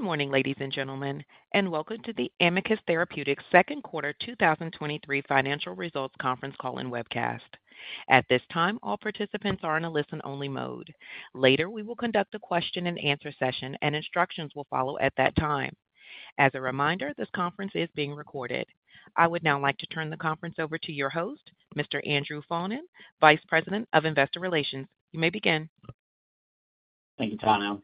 Good morning, ladies and gentlemen, and welcome to the Amicus Therapeutics' second quarter 2023 financial results conference call and webcast. At this time, all participants are in a listen-only mode. Later, we will conduct a question-and-answer session, and instructions will follow at that time. As a reminder, this conference is being recorded. I would now like to turn the conference over to your host, Mr. Andrew Follin, Vice President of Investor Relations. You may begin. Thank you, Tana.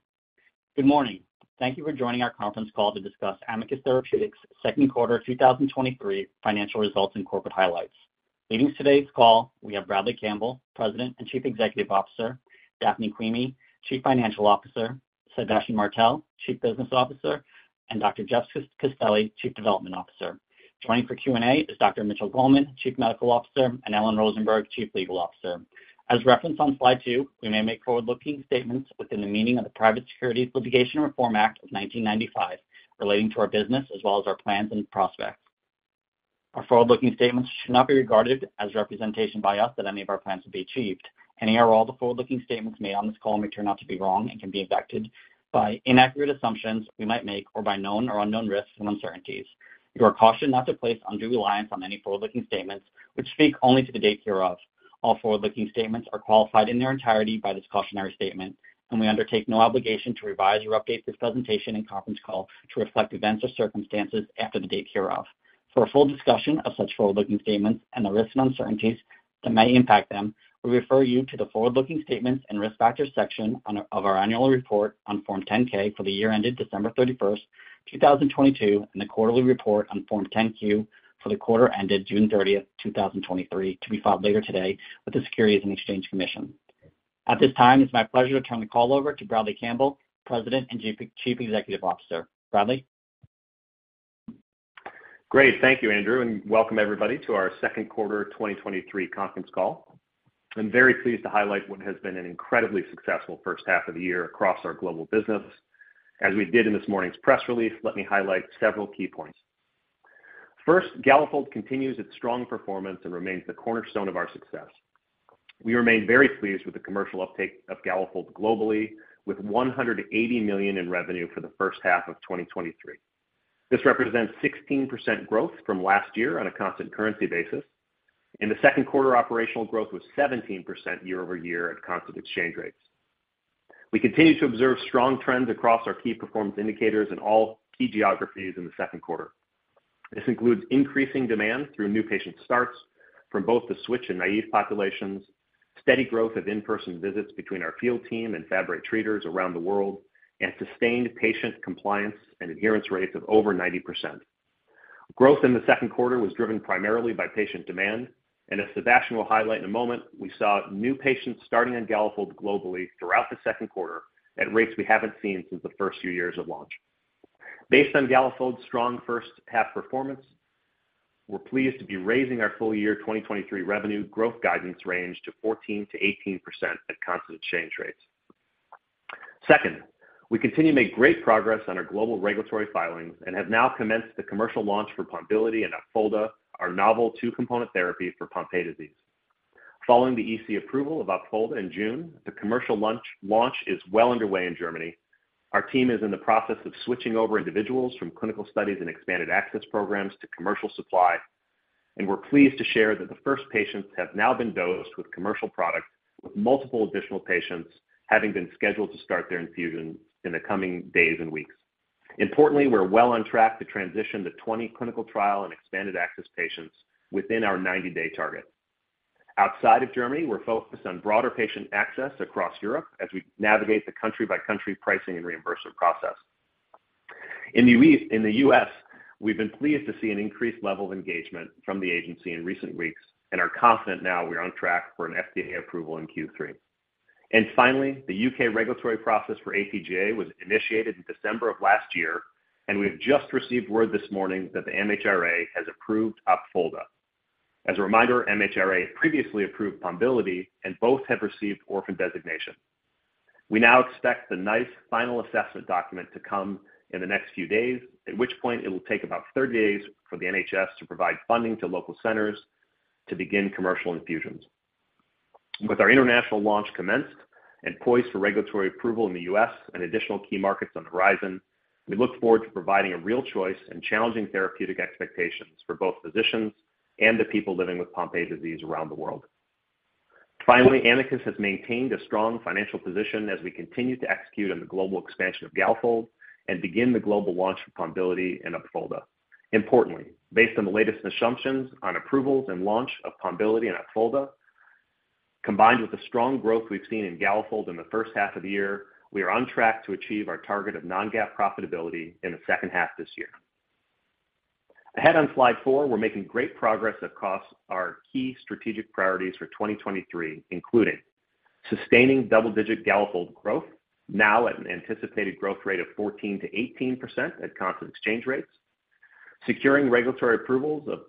Good morning. Thank you for joining our conference call to discuss Amicus Therapeutics' second quarter 2023 financial results and corporate highlights. Leading today's call, we have Bradley Campbell, President and Chief Executive Officer; Daphne Quimi, Chief Financial Officer; Sébastien Martel, Chief Business Officer; and Dr. Jeff Castelli, Chief Development Officer. Joining for Q&A is Dr. Mitchell Goldman, Chief Medical Officer, and Ellen Rosenberg, Chief Legal Officer. As referenced on Slide 2, we may make forward-looking statements within the meaning of the Private Securities Litigation Reform Act of 1995 relating to our business as well as our plans and prospects. Our forward-looking statements should not be regarded as representation by us that any of our plans will be achieved. Any or all the forward-looking statements made on this call may turn out to be wrong and can be affected by inaccurate assumptions we might make or by known or unknown risks and uncertainties. You are cautioned not to place undue reliance on any forward-looking statements, which speak only to the date hereof. All forward-looking statements are qualified in their entirety by this cautionary statement, and we undertake no obligation to revise or update this presentation and conference call to reflect events or circumstances after the date hereof. For a full discussion of such forward-looking statements and the risks and uncertainties that may impact them, we refer you to the Forward-Looking Statements and Risk Factors section of our annual report on Form 10-K for the year ended 21 December 2022, and the quarterly report on Form 10-Q for the quarter ended 30 June 2023, to be filed later today with the Securities and Exchange Commission. At this time, it's my pleasure to turn the call over to Bradley Campbell, President and Chief Executive Officer. Bradley? Great. Thank you, Andrew, and welcome everybody to our second quarter 2023 conference call. I am very pleased to highlight what has been an incredibly successful first half of the year across our global business. As we did in this morning's press release, let me highlight several key points. First, Galafold continues its strong performance and remains the cornerstone of our success. We remain very pleased with the commercial uptake of Galafold globally, with $180 million in revenue for the first half of 2023. This represents 16% growth from last year on a constant currency basis. In the second quarter, operational growth was 17% year-over-year at constant exchange rates. We continue to observe strong trends across our key performance indicators in all key geographies in the second quarter. This includes increasing demand through new patient starts from both the switch and naive populations, steady growth of in-person visits between our field team and Fabry treaters around the world, and sustained patient compliance and adherence rates of over 90%. Growth in the second quarter was driven primarily by patient demand, as Sébastien will highlight in a moment, we saw new patients starting on Galafold globally throughout the second quarter at rates we haven't seen since the first few years of launch. Based on Galafold's strong first half performance, we're pleased to be raising our full year 2023 revenue growth guidance range to 14%-18% at constant exchange rates. Second, we continue to make great progress on our global regulatory filings and have now commenced the commercial launch for Pombiliti and Opfolda, our novel two-component therapy for Pompe disease. Following the EC approval of Opfolda in June, the commercial launch is well underway in Germany. Our team is in the process of switching over individuals from clinical studies and expanded access programs to commercial supply, and we're pleased to share that the first patients have now been dosed with commercial product, with multiple additional patients having been scheduled to start their infusions in the coming days and weeks. Importantly, we're well on track to transition the 20 clinical trial and expanded access patients within our 90 day target. Outside of Germany, we're focused on broader patient access across Europe as we navigate the country-by-country pricing and reimbursement process. In the U.S., we've been pleased to see an increased level of engagement from the agency in recent weeks and are confident now we're on track for an FDA approval in Q3. Finally, the UK regulatory process for AT-GAA was initiated in December of last year, and we've just received word this morning that the MHRA has approved Opfolda . As a reminder, MHRA previously approved Pombiliti, and both have received orphan designation. We now expect the NICE final assessment document to come in the next few days, at which point it will take about 30 days for the NHS to provide funding to local centers to begin commercial infusions. With our international launch commenced and poised for regulatory approval in the U.S. and additional key markets on the horizon, we look forward to providing a real choice and challenging therapeutic expectations for both physicians and the people living with Pompe disease around the world. Amicus has maintained a strong financial position as we continue to execute on the global expansion of Galafold and begin the global launch of Pombiliti and Opfolda. Importantly, based on the latest assumptions on approvals and launch of Pombiliti and Opfolda, combined with the strong growth we've seen in Galafold in the first half of the year, we are on track to achieve our target of non-GAAP profitability in the second half this year. Ahead on Slide 4, we're making great progress across our key strategic priorities for 2023, including sustaining double-digit Galafold growth, now at an anticipated growth rate of 14%-18% at constant exchange rates; securing regulatory approvals of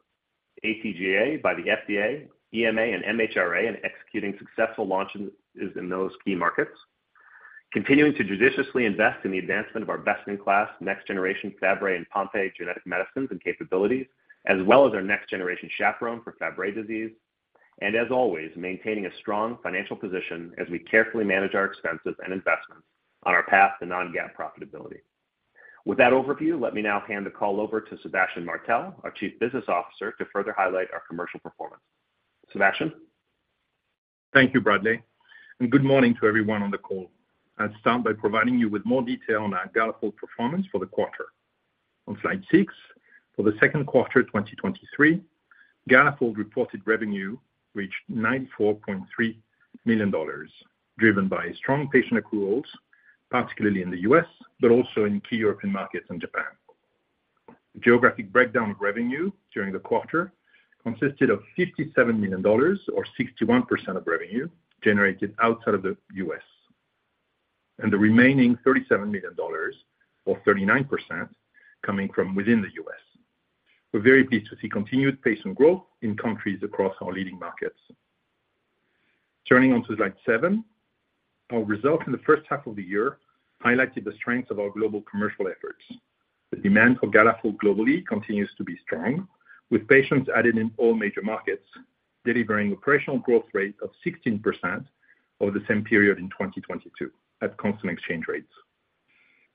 AT-GAA by the FDA, EMA, and MHRA and executing successful launches in those key markets; continuing to judiciously invest in the advancement of our best-in-class, next-generation Fabry and Pompe genetic medicines and capabilities, as well as our next-generation chaperone for Fabry disease; as always, maintaining a strong financial position as we carefully manage our expenses and investments on our path to non-GAAP profitability. With that overview, let me now hand the call over to Sébastien Martel, our Chief Business Officer, to further highlight our commercial performance. Sébastien? Thank you, Bradley, and good morning to everyone on the call. I'll start by providing you with more detail on our Galafold performance for the quarter. On Slide 6, for the second quarter 2023, Galafold reported revenue reached $94.3 million, driven by strong patient accruals, particularly in the U.S., but also in key European markets and Japan. Geographic breakdown of revenue during the quarter consisted of $57 million, or 61% of revenue, generated outside of the U.S., and the remaining $37 million, or 39%, coming from within the U.S., We're very pleased to see continued patient growth in countries across our leading markets. Turning on to Slide 7, our results in the first half of the year highlighted the strengths of our global commercial efforts. The demand for Galafold globally continues to be strong, with patients added in all major markets, delivering a operational growth rate of 16% over the same period in 2022 at constant exchange rates.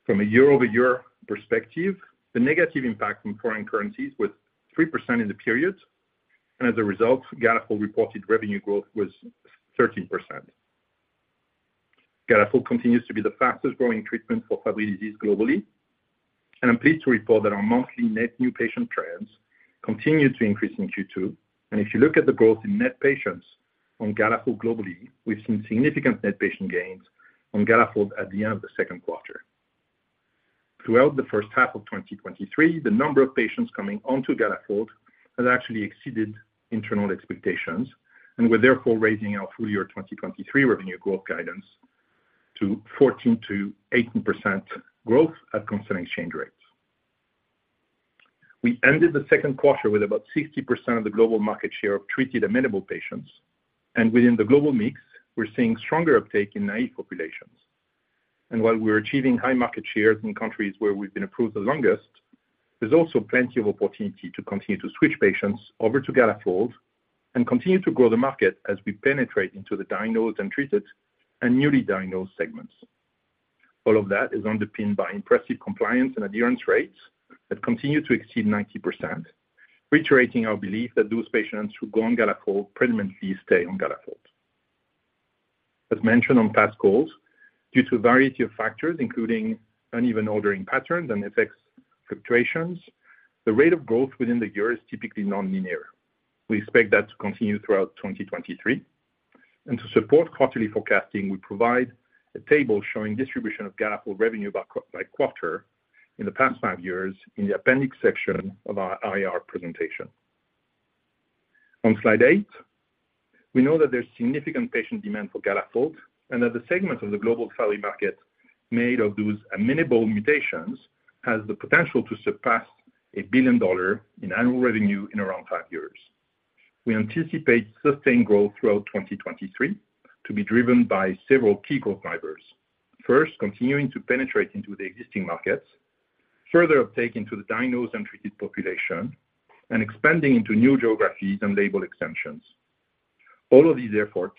From a year-over-year perspective, the negative impact from foreign currencies was 3% in the period. As a result, Galafold reported revenue growth was 13%. Galafold continues to be the fastest-growing treatment for Fabry disease globally. I'm pleased to report that our monthly net new patient trends continued to increase in Q2. If you look at the growth in net patients on Galafold globally, we've seen significant net patient gains on Galafold at the end of the second quarter. Throughout the first half of 2023, the number of patients coming onto Galafold has actually exceeded internal expectations. We're therefore raising our full year 2023 revenue growth guidance to 14%-18% growth at constant exchange rates. We ended the second quarter with about 60% of the global market share of treated amenable patients. Within the global mix, we're seeing stronger uptake in naive populations. While we're achieving high market shares in countries where we've been approved the longest, there's also plenty of opportunity to continue to switch patients over to Galafold and continue to grow the market as we penetrate into the diagnosed and treated and newly diagnosed segments. All of that is underpinned by impressive compliance and adherence rates that continue to exceed 90%, reiterating our belief that those patients who go on Galafold predominantly stay on Galafold. As mentioned on past calls, due to a variety of factors, including uneven ordering patterns and effects fluctuations, the rate of growth within the year is typically nonlinear. We expect that to continue throughout 2023. To support quarterly forecasting, we provide a table showing distribution of Galafold revenue by quarter in the past five years in the appendix section of our IR presentation. On Slide 8, we know that there's significant patient demand for Galafold and that the segment of the global Fabry market made of those amenable mutations, has the potential to surpass $1 billion in annual revenue in around 5 years. We anticipate sustained growth throughout 2023 to be driven by several key growth drivers. First, continuing to penetrate into the existing markets, further uptake into the diagnosed and treated population, and expanding into new geographies and label extensions. All of these efforts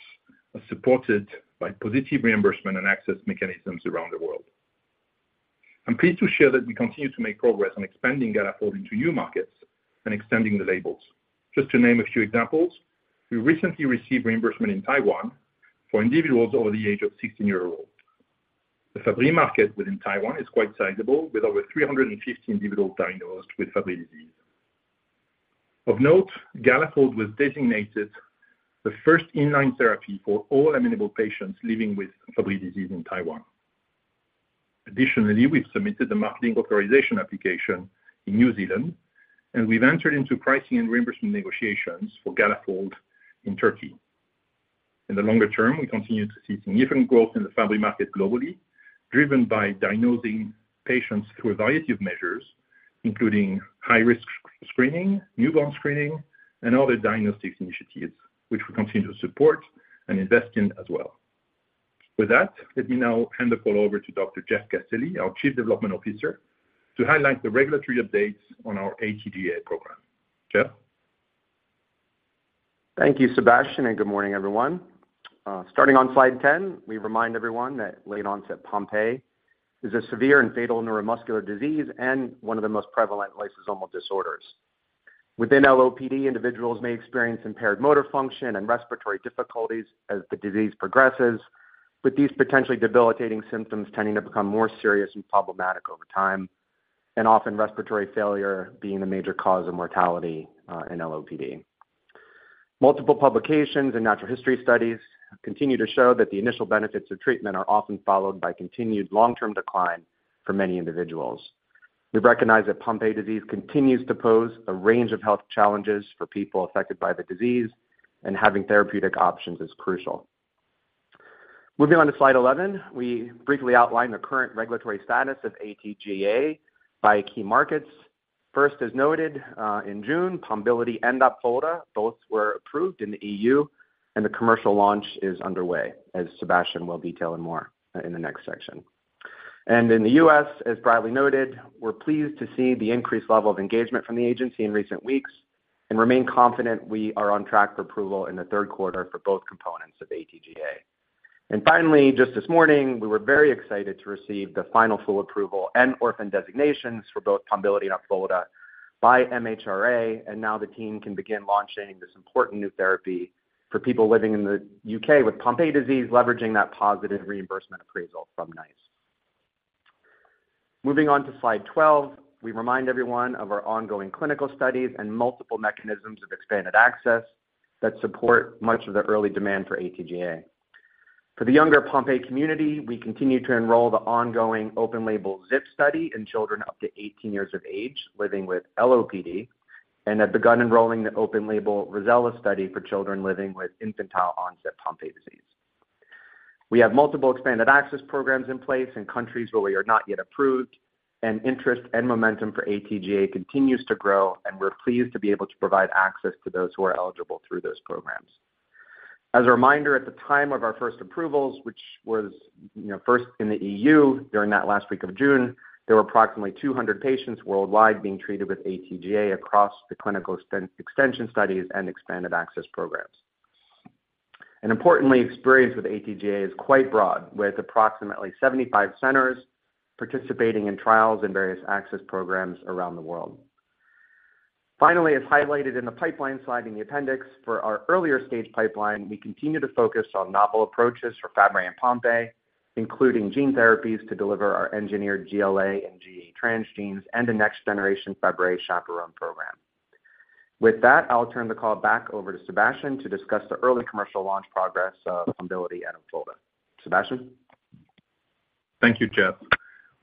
are supported by positive reimbursement and access mechanisms around the world. I'm pleased to share that we continue to make progress on expanding Galafold into new markets and extending the labels. Just to name a few examples, we recently received reimbursement in Taiwan for individuals over the age of 16 year old. The Fabry market within Taiwan is quite sizable, with over 350 individuals diagnosed with Fabry disease. Of note, Galafold was designated the first inline therapy for all amenable patients living with Fabry disease in Taiwan. Additionally, we've submitted a marketing authorization application in New Zealand, and we've entered into pricing and reimbursement negotiations for Galafold in Turkey. In the longer term, we continue to see significant growth in the Fabry market globally, driven by diagnosing patients through a variety of measures, including high-risk screening, newborn screening, and other diagnostics initiatives, which we continue to support and invest in as well. With that, let me now hand the call over to Dr. Jeff Castelli, our Chief Development Officer, to highlight the regulatory updates on our AT-GAA program. Jeff? Thank you, Sébastien. Good morning, everyone. Starting on Slide 10, we remind everyone that late-onset Pompe is a severe and fatal neuromuscular disease and one of the most prevalent lysosomal disorders. Within LOPD, individuals may experience impaired motor function and respiratory difficulties as the disease progresses, with these potentially debilitating symptoms tending to become more serious and problematic over time, and often respiratory failure being a major cause of mortality in LOPD. Multiple publications and natural history studies continue to show that the initial benefits of treatment are often followed by continued long-term decline for many individuals. We recognize that Pompe disease continues to pose a range of health challenges for people affected by the disease, and having therapeutic options is crucial. Moving on to Slide 11, we briefly outline the current regulatory status of AT-GAA by key markets. First, as noted, in June, Pombiliti and Opfolda, both were approved in the EU, and the commercial launch is underway, as Sébastien will detail in more in the next section. In the U.S., as Bradley noted, we're pleased to see the increased level of engagement from the agency in recent weeks and remain confident we are on track for approval in the third quarter for both components of AT-GAA. Finally, just this morning, we were very excited to receive the final full approval and orphan designations for both Pombiliti and Opfolda by MHRA, and now the team can begin launching this important new therapy for people living in the UK with Pompe disease, leveraging that positive reimbursement appraisal from NICE. Moving on to Slide 12, we remind everyone of our ongoing clinical studies and multiple mechanisms of expanded access that support much of the early demand for AT-GAA. For the younger Pompe community, we continue to enroll the ongoing open label ZIP study in children up to 18 years of age, living with LOPD, and have begun enrolling the open label ROSELLA study for children living with infantile-onset Pompe disease. We have multiple expanded access programs in place in countries where we are not yet approved, and interest and momentum for AT-GAA continues to grow, and we're pleased to be able to provide access to those who are eligible through those programs. As a reminder, at the time of our first approvals, which was, you know, first in the EU during that last week of June, there were approximately 200 patients worldwide being treated with AT-GAA across the clinical extension studies and expanded access programs. Importantly, experience with AT-GAA is quite broad, with approximately 75 centers participating in trials and various access programs around the world. Finally, as highlighted in the pipeline slide in the appendix, for our earlier stage pipeline, we continue to focus on novel approaches for Fabry and Pompe, including gene therapies to deliver our engineered GLA and GAA transgenes and the next generation Fabry chaperone program. With that, I'll turn the call back over to Sébastien to discuss the early commercial launch progress of Pombiliti and Opfolda. Sébastien? Thank you, Jeff.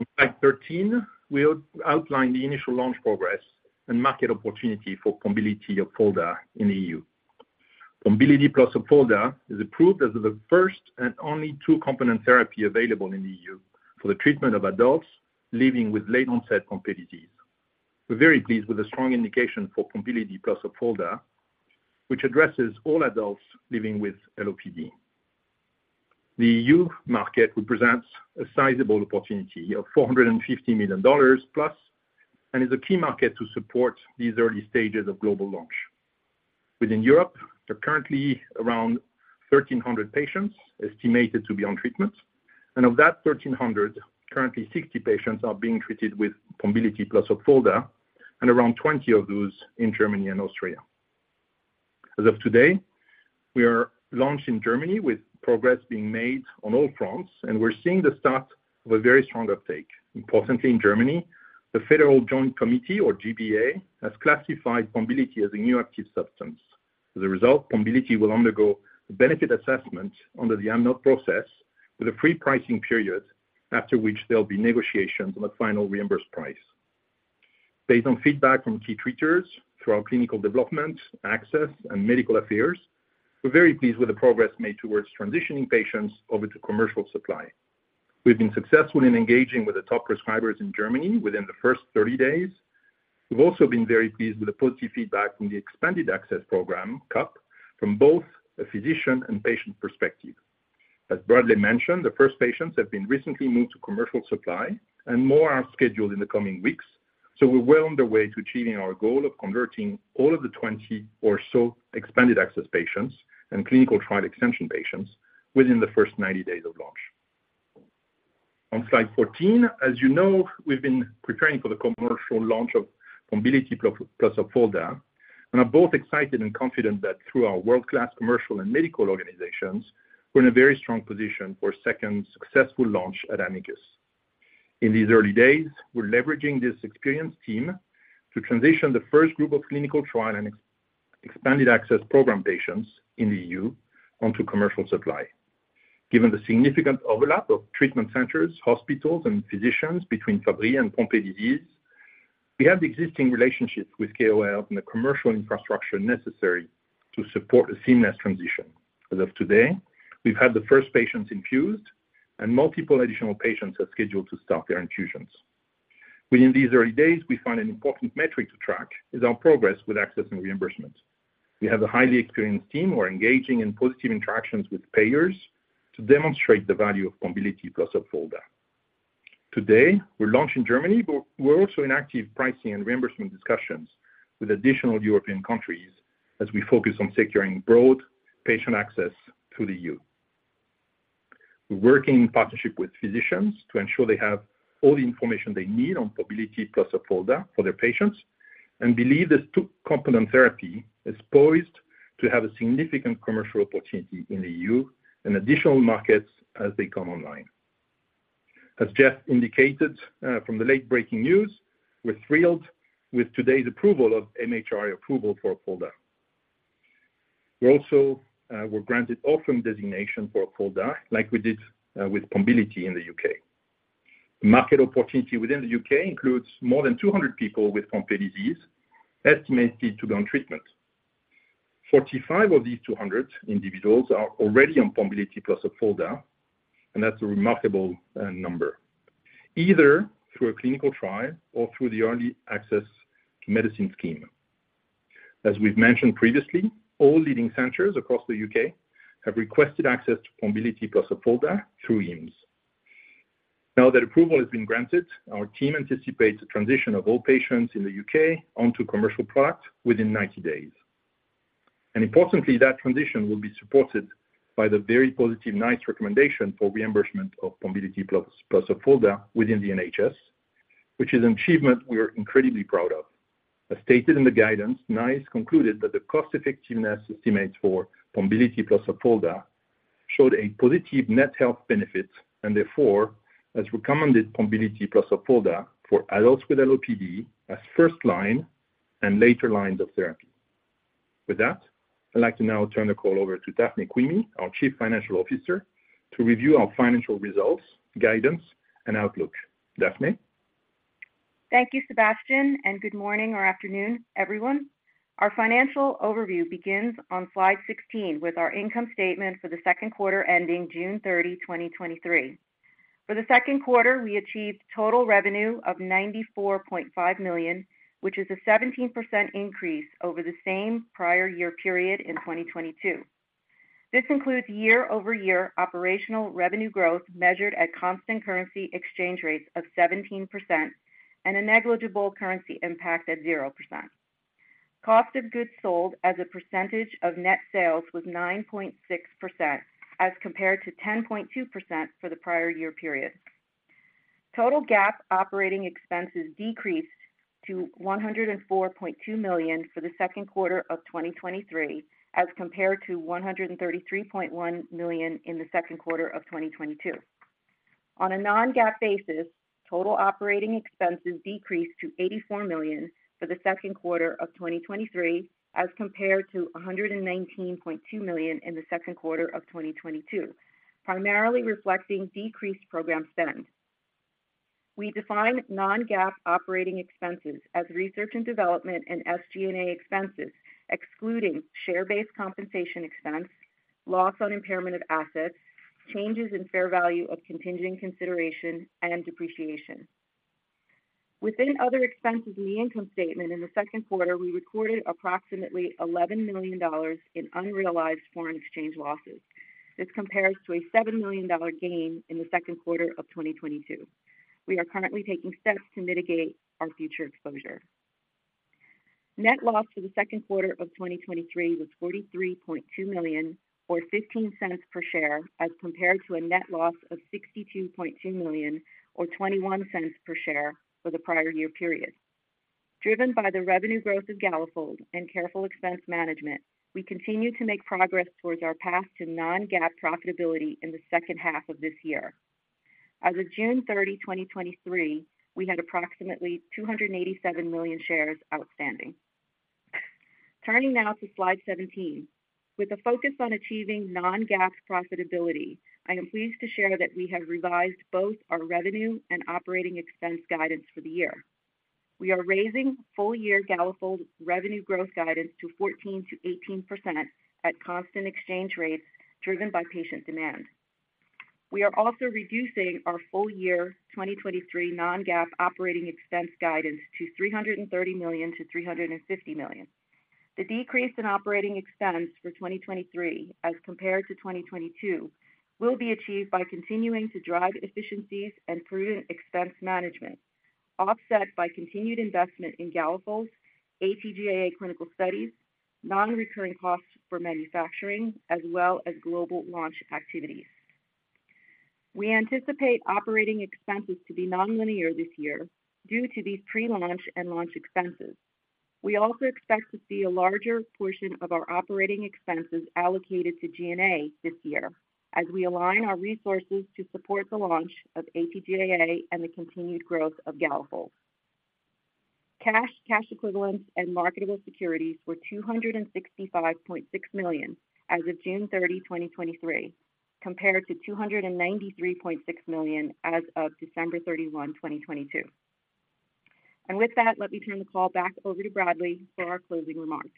On Slide 13, we outline the initial launch progress and market opportunity for Pombiliti Opfolda in the EU. Pombiliti plus Opfolda is approved as the first and only two-component therapy available in the EU for the treatment of adults living with late-onset Pompe disease. We're very pleased with the strong indication for Pombiliti plus Opfolda, which addresses all adults living with LOPD. The EU market represents a sizable opportunity of $450 million plus, and is a key market to support these early stages of global launch. Within Europe, there are currently around 1,300 patients estimated to be on treatment, and of that 1,300, currently 60 patients are being treated with Pombiliti plus Opfolda, and around 20 of those in Germany and Austria. As of today, we are launched in Germany, with progress being made on all fronts, and we're seeing the start of a very strong uptake. Importantly, in Germany, the Federal Joint Committee, or GBA, has classified Pombiliti as a new active substance. As a result, Pombiliti will undergo a benefit assessment under the AMNOG process with a free pricing period, after which there'll be negotiations on the final reimbursed price. Based on feedback from key treaters through our clinical development, access and medical affairs, we're very pleased with the progress made towards transitioning patients over to commercial supply. We've been successful in engaging with the top prescribers in Germany within the first 30 days. We've also been very pleased with the positive feedback from the expanded access program, CUP, from both a physician and patient perspective. As Bradley mentioned, the first patients have been recently moved to commercial supply, and more are scheduled in the coming weeks. We're well on the way to achieving our goal of converting all of the 20 or so expanded access patients and clinical trial extension patients within the first 90 days of launch. On Slide 14, as you know, we've been preparing for the commercial launch of Pombiliti plus Opfolda, and are both excited and confident that through our world-class commercial and medical organizations, we're in a very strong position for a second successful launch at Amicus. In these early days, we're leveraging this experienced team to transition the first group of clinical trial and expanded access program patients in the EU onto commercial supply. Given the significant overlap of treatment centers, hospitals, and physicians between Fabry and Pompe disease, we have the existing relationships with KOLs and the commercial infrastructure necessary to support a seamless transition. As of today, we've had the first patients infused, and multiple additional patients are scheduled to start their infusions. Within these early days, we find an important metric to track is our progress with access and reimbursement. We have a highly experienced team who are engaging in positive interactions with payers to demonstrate the value of Pombiliti plus Opfolda. Today, we're launched in Germany. We're also in active pricing and reimbursement discussions with additional European countries as we focus on securing broad patient access to the EU. We're working in partnership with physicians to ensure they have all the information they need on Pombiliti plus Opfolda for their patients and believe this two-component therapy is poised to have a significant commercial opportunity in the EU and additional markets as they come online. As Jeff indicated, from the late-breaking news, we're thrilled with today's approval of MHRA approval for Opfolda. We also were granted orphan drug designation for Opfolda, like we did with Pombiliti in the UK. The market opportunity within the UK includes more than 200 people with Pompe disease estimated to be on treatment. 45 of these 200 individuals are already on Pombiliti plus Opfolda, and that's a remarkable number, either through a clinical trial or through the Early Access to Medicines Scheme. As we've mentioned previously, all leading centers across the UK have requested access to Pombiliti plus Opfolda through EAMS. Now that approval has been granted, our team anticipates a transition of all patients in the UK onto commercial product within 90 days. Importantly, that transition will be supported by the very positive NICE recommendation for reimbursement of Pombiliti plus Opfolda within the NHS, which is an achievement we are incredibly proud of. As stated in the guidance, NICE concluded that the cost-effectiveness estimates for Pombiliti plus Opfolda showed a positive net health benefit, and therefore, has recommended Pombiliti plus Opfolda for adults with LOPD as first line and later lines of therapy. With that, I'd like to now turn the call over to Daphne Quimi, our Chief Financial Officer, to review our financial results, guidance, and outlook. Daphne? Thank you, Sebastien, good morning or afternoon, everyone. Our financial overview begins on Slide 16 with our income statement for the second quarter ending 30 June 2023. For the second quarter, we achieved total revenue of $94.5 million, which is a 17% increase over the same prior year period in 2022. This includes year-over-year operational revenue growth measured at constant currency exchange rates of 17% and a negligible currency impact at 0%. Cost of goods sold as a percentage of net sales was 9.6%, as compared to 10.2% for the prior year period. Total GAAP operating expenses decreased to $104.2 million for the second quarter of 2023, as compared to $133.1 million in the second quarter of 2022. On a non-GAAP basis, total operating expenses decreased to $84 million for the second quarter of 2023, as compared to $119.2 million in the second quarter of 2022, primarily reflecting decreased program spend. We define non-GAAP operating expenses as research and development and SG&A expenses, excluding share-based compensation expense, loss on impairment of assets, changes in fair value of contingent consideration, and depreciation. Within other expenses in the income statement in the second quarter, we recorded approximately $11 million in unrealized foreign exchange losses. This compares to a $7 million gain in the second quarter of 2022. We are currently taking steps to mitigate our future exposure. Net loss for the second quarter of 2023 was $43.2 million, or $0.15 per share, as compared to a net loss of $62.2 million, or $0.21 per share for the prior year period. Driven by the revenue growth of Galafold and careful expense management, we continue to make progress towards our path to non-GAAP profitability in the second half of this year. As of 30 June 2023, we had approximately 287 million shares outstanding. Turning now to Slide 17. With a focus on achieving non-GAAP profitability, I am pleased to share that we have revised both our revenue and operating expense guidance for the year. We are raising full-year Galafold revenue growth guidance to 14%-18% at constant exchange rates, driven by patient demand. We are also reducing our full year 2023 non-GAAP operating expense guidance to $330 million-$350 million. The decrease in operating expense for 2023, as compared to 2022, will be achieved by continuing to drive efficiencies and prudent expense management, offset by continued investment in Galafold, AT-GAA clinical studies, non-recurring costs for manufacturing, as well as global launch activities. We anticipate operating expenses to be nonlinear this year due to these pre-launch and launch expenses. We also expect to see a larger portion of our operating expenses allocated to G&A this year, as we align our resources to support the launch of AT-GAA and the continued growth of Galafold. Cash, cash equivalents, and marketable securities were $265.6 million as of 30 June 2023, compared to $293.6 million as of 31 December 2022. With that, let me turn the call back over to Bradley for our closing remarks.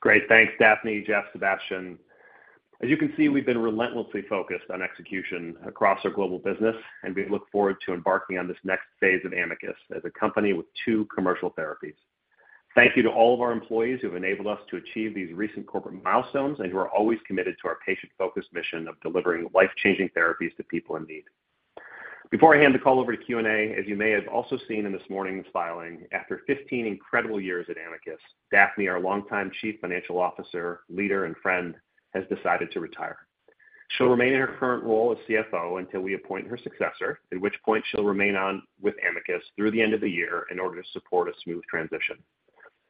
Great. Thanks, Daphne, Jeff, Sébastien. As you can see, we've been relentlessly focused on execution across our global business, and we look forward to embarking on this next phase of Amicus as a company with two commercial therapies. Thank you to all of our employees who have enabled us to achieve these recent corporate milestones and who are always committed to our patient-focused mission of delivering life-changing therapies to people in need. Before I hand the call over to Q&A, as you may have also seen in this morning's filing, after 15 incredible years at Amicus, Daphne, our longtime chief financial officer, leader, and friend, has decided to retire. She'll remain in her current role as CFO until we appoint her successor, at which point she'll remain on with Amicus through the end of the year in order to support a smooth transition.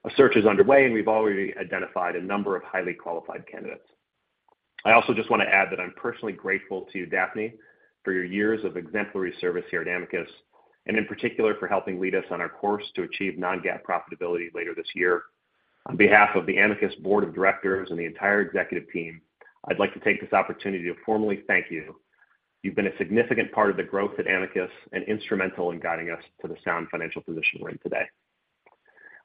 A search is underway. We've already identified a number of highly qualified candidates. I also just want to add that I'm personally grateful to you, Daphne, for your years of exemplary service here at Amicus, and in particular, for helping lead us on our course to achieve non-GAAP profitability later this year. On behalf of the Amicus Board of Directors and the entire executive team, I'd like to take this opportunity to formally thank you. You've been a significant part of the growth at Amicus and instrumental in guiding us to the sound financial position we're in today.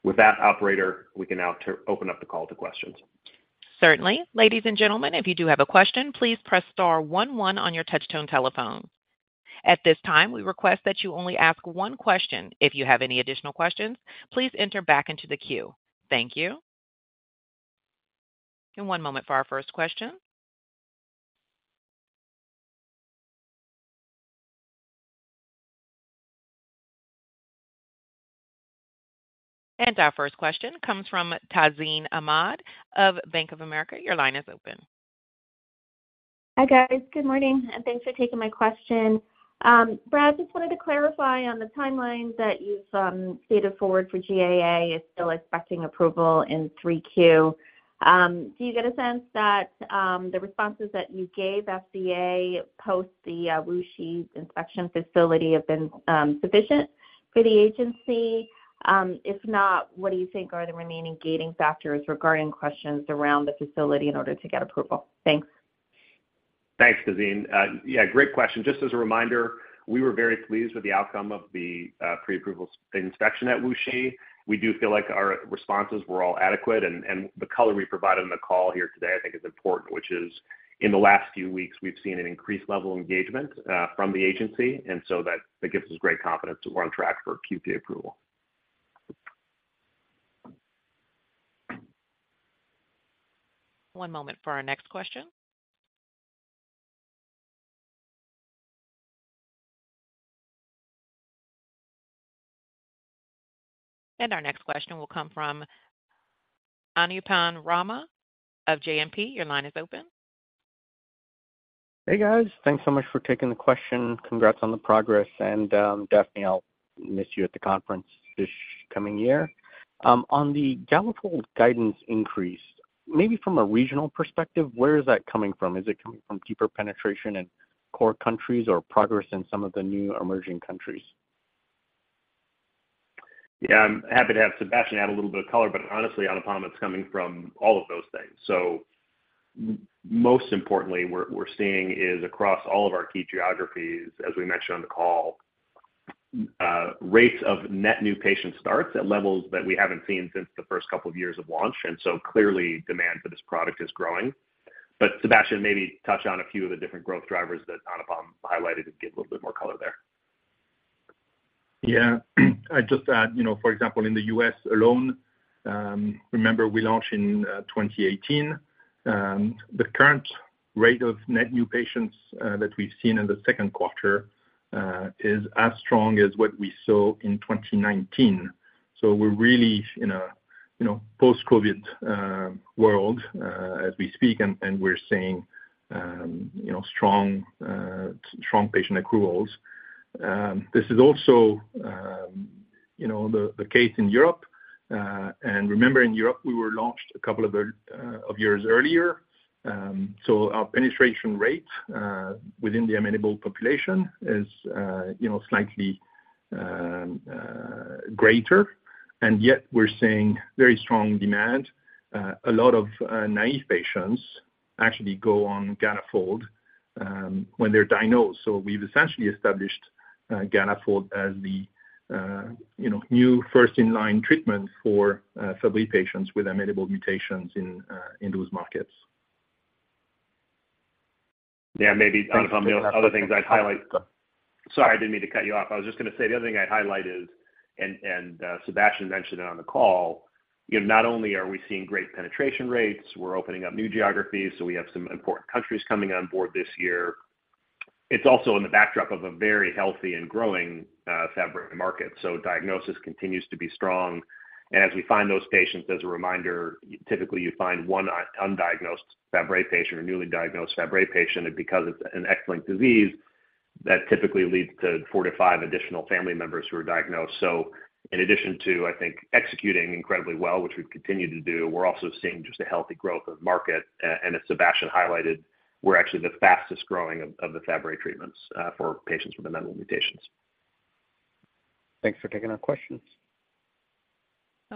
With that, operator, we can now open up the call to questions. Certainly. Ladies and gentlemen, if you do have a question, please press star one one on your touch-tone telephone.At this time, we request that you only ask one question. If you have any additional questions, please enter back into the queue. Thank you. One moment for our first question. Our first question comes from Tazeen Ahmad of Bank of America. Your line is open. Hi, guys. Good morning, and thanks for taking my question. Brad, just wanted to clarify on the timeline that you've stated forward for GAA is still expecting approval in 3Q. Do you get a sense that the responses that you gave FDA post the Wuxi inspection facility have been sufficient for the agency? If not, what do you think are the remaining gating factors regarding questions around the facility in order to get approval? Thanks. Thanks, Tazeen. Yeah, great question. Just as a reminder, we were very pleased with the outcome of the pre-approval inspection at Wuxi. We do feel like our responses were all adequate, and the color we provided on the call here today, I think is important, which is in the last few weeks, we've seen an increased level of engagement from the agency. So that gives us great confidence that we're on track for a Q3 approval. One moment for our next question. Our next question will come from Anupam Rama of JPMorgan. Your line is open. Hey, guys. Thanks so much for taking the question. Congrats on the progress, and Daphne, I'll miss you at the conference this coming year. On the Galafold guidance increase, maybe from a regional perspective, where is that coming from? Is it coming from deeper penetration in core countries or progress in some of the new emerging countries? Yeah, I'm happy to have Sébastien add a little bit of color, but honestly, Anupam, it's coming from all of those things. Most importantly, we're seeing is across all of our key geographies, as we mentioned on the call, rates of net new patient starts at levels that we haven't seen since the first couple of years of launch, and so clearly demand for this product is growing. Sébastien, maybe touch on a few of the different growth drivers that Anupam highlighted to give a little bit more color there. Yeah, I'd just add, you know, for example, in the U.S. alone, remember we launched in 2018, the current rate of net new patients that we've seen in the second quarter is as strong as what we saw in 2019. We're really in a, you know, post-COVID world, as we speak, and we're seeing, you know, strong, strong patient accruals. This is also, you know, the case in Europe. Remember, in Europe, we were launched two years earlier, so our penetration rate within the amenable population is, you know, slightly greater, and yet we're seeing very strong demand. A lot of naive patients actually go on Galafold when they're diagnosed. We've essentially established Galafold as the, you know, new first-in-line treatment for Fabry patients with amenable mutations in those markets. Yeah, maybe Anupam, the other things I'd highlight. Sorry, I didn't mean to cut you off. I was just gonna say, the other thing I'd highlight is, Sébastien mentioned it on the call, you know, not only are we seeing great penetration rates, we're opening up new geographies, we have some important countries coming on board this year. It's also in the backdrop of a very healthy and growing Fabry market, diagnosis continues to be strong. As we find those patients, as a reminder, typically you find one undiagnosed Fabry patient or newly diagnosed Fabry patient, and because it's an X-linked disease, that typically leads to four to five additional family members who are diagnosed. In addition to, I think, executing incredibly well, which we've continued to do, we're also seeing just a healthy growth of market. As Sébastien highlighted, we're actually the fastest growing of the Fabry treatments for patients with amenable mutations. Thanks for taking our questions.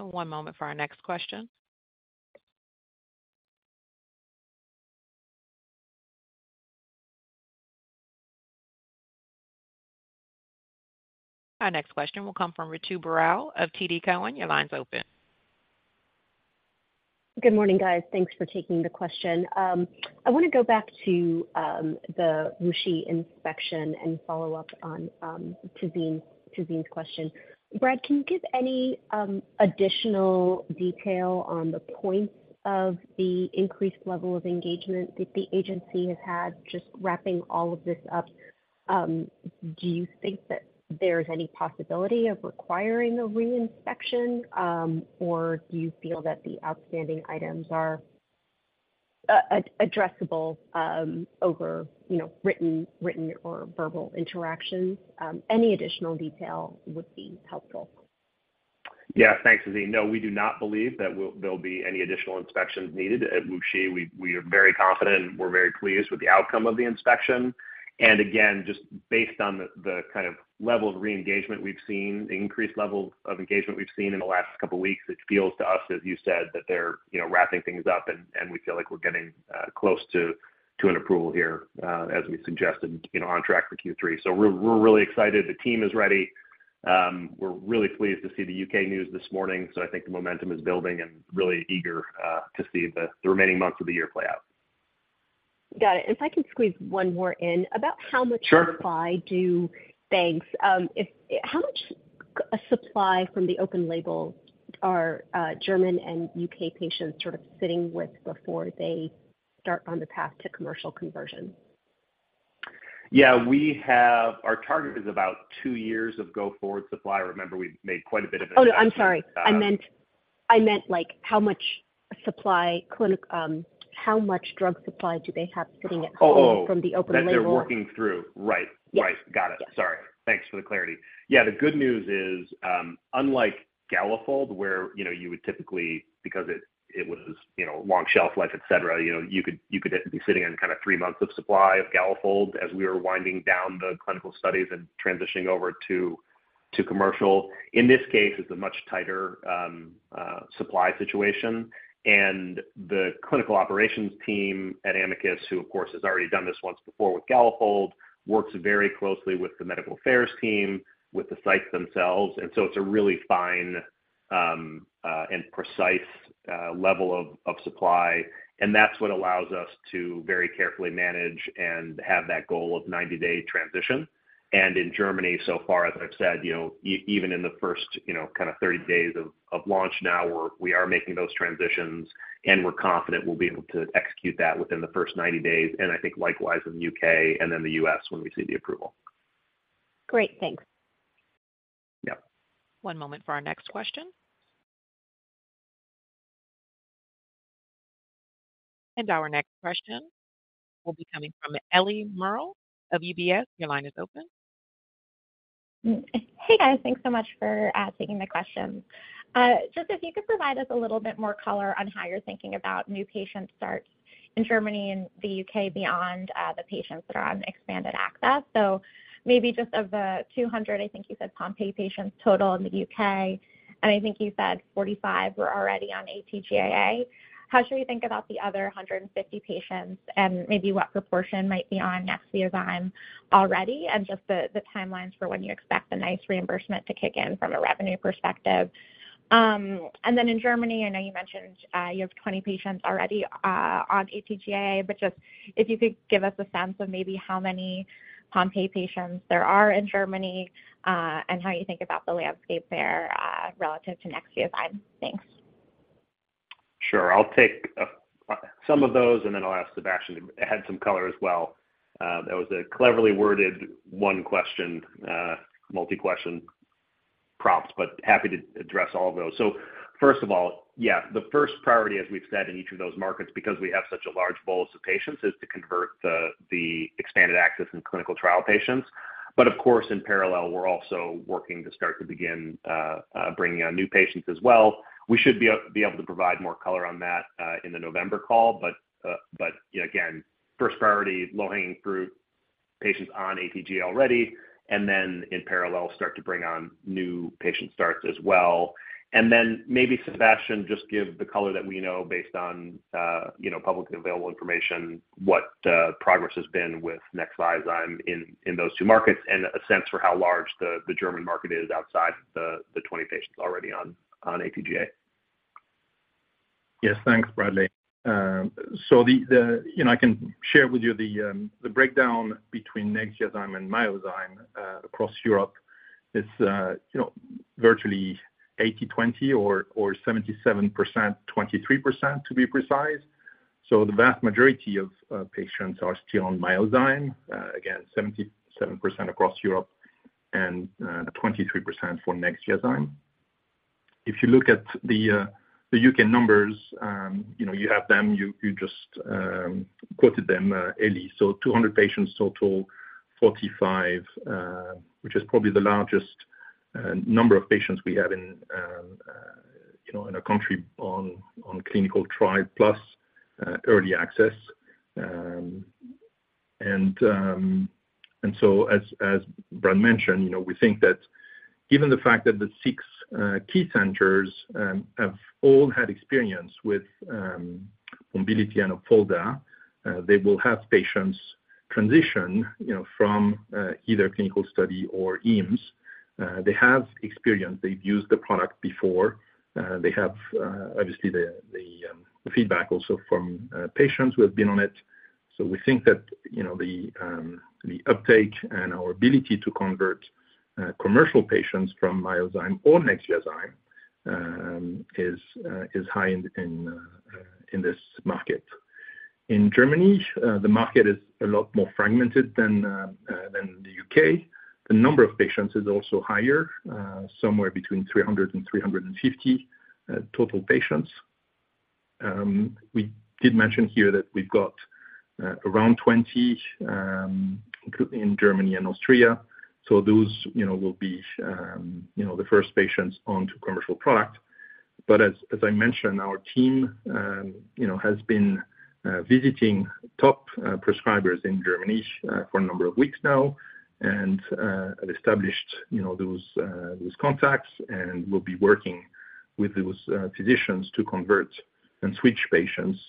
One moment for our next question. Our next question will come from Ritu Baral of TD Cowen. Your line's open. Good morning, guys. Thanks for taking the question. I want to go back to the Wuxi inspection and follow up on Tazeen, Tazeen's question. Brad, can you give any additional detail on the points of the increased level of engagement that the agency has had? Just wrapping all of this up, do you think that there's any possibility of requiring a re-inspection, or do you feel that the outstanding items are addressable over, you know, written, written or verbal interactions? Any additional detail would be helpful. Yeah. Thanks, Tazeen. No, we do not believe that there'll be any additional inspections needed at Wuxi. We are very confident, and we're very pleased with the outcome of the inspection. Again, just based on the kind of level of re-engagement we've seen, increased level of engagement we've seen in the last couple weeks, it feels to us, as you said, that they're, you know, wrapping things up and we feel like we're getting close to an approval here, as we suggested, you know, on track for Q3. We're really excited. The team is ready. We're really pleased to see the UK news this morning, so I think the momentum is building, and really eager to see the remaining months of the year play out. Got it. If I can squeeze one more in. Sure. About how much supply if, how much supply from the open label are German and UK patients sort of sitting with before they start on the path to commercial conversion? Yeah, we have, our target is about two years of go-forward supply. Remember, we've made quite a bit of- Oh, I'm sorry. I meant, I meant like, how much supply clinic, how much drug supply do they have sitting at home from the open label? Oh, that they're working through, right. Yep. Right. Got it. Yes. Sorry. Thanks for the clarity. Yeah, the good news is, unlike Galafold, where, you know, you would typically, because it, it was, you know, long shelf life, et cetera, you know, you could, you could be sitting on kind of three months of supply of Galafold as we were winding down the clinical studies and transitioning over to, to commercial. In this case, it's a much tighter supply situation. The clinical operations team at Amicus, who, of course, has already done this once before with Galafold, works very closely with the medical affairs team, with the sites themselves, and so it's a really fine and precise level of supply. That's what allows us to very carefully manage and have that goal of 90-day transition. In Germany, so far, as I've said, you know, even in the first, you know, kind of 30 days of launch now, we are making those transitions, and we're confident we'll be able to execute that within the first 90 days, and I think likewise in the UK and in the U.S. when we see the approval. Great. Thanks. Yep. One moment for our next question. Our next question will be coming from Eliana Merle of UBS. Your line is open. Hey, guys. Thanks so much for taking the questions. Just if you could provide us a little bit more color on how you're thinking about new patient starts in Germany and the UK beyond the patients that are on expanded access. Maybe just of the 200, I think you said Pompe patients total in the UK, and I think you said 45 were already on AT-GAA. How should we think about the other 150 patients? Maybe what proportion might be on Nexviazyme already, and just the timelines for when you expect the NICE reimbursement to kick in from a revenue perspective? Then in Germany, I know you mentioned, you have 20 patients already, on AT-GAA, but just, if you could give us a sense of maybe how many Pompe patients there are in Germany, and how you think about the landscape there, relative to next year's time. Thanks. Sure. I'll take some of those, and then I'll ask Sébastien Martel to add some color as well. That was a cleverly worded one question, multi-question prompts, happy to address all of those. First of all, yeah, the first priority, as we've said in each of those markets, because we have such a large bolus of patients, is to convert the, the expanded access in clinical trial patients. Of course, in parallel, we're also working to start to begin bringing on new patients as well. We should be able to provide more color on that in the November call, again, first priority, low-hanging fruit, patients on AT-GAA already, and then in parallel, start to bring on new patient starts as well. Maybe, Sébastien, just give the color that we know based on, you know, publicly available information, what progress has been with Nexviazyme in those two markets, and a sense for how large the German market is outside the 20 patients already on AT-GAA? Yes. Thanks, Bradley. The, the, you know, I can share with you the, the breakdown between Nexviazyme and Myozyme, across Europe. It's, you know, virtually 80%, 20% or, or 77%, 23%, to be precise. The vast majority of, patients are still on Myozyme, again, 77% across Europe and, 23% for Nexviazyme. If you look at the, the UK numbers, you know, you have them, you, you just, quoted them, Ellie. 200 patients total, 45, which is probably the largest, number of patients we have in, you know, in a country on, on clinical trial, plus, early access. As Brad mentioned, you know, we think that given the fact that the 6 key centers have all had experience with Pombiliti and Opfolda, they will have patients transition, you know, from either clinical study or OLEs. They have experience. They've used the product before. They have, obviously, the, the, the feedback also from patients who have been on it. We think that, you know, the uptake and our ability to convert commercial patients from Myozyme or Nexviazyme is high in this market. In Germany, the market is a lot more fragmented than the UK. The number of patients is also higher, somewhere between 300-350 total patients. We did mention here that we've got, around 20, in Germany and Austria, so those, you know, will be, you know, the first patients onto commercial product. As I mentioned, our team, you know, has been, visiting top, prescribers in Germany, for a number of weeks now and, have established, you know, those, those contacts and will be working with those, physicians to convert and switch patients